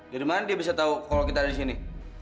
jadi mana dia bisa tahu kalau kita ada di sini